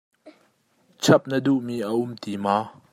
Chap na duhmi a um ti maw?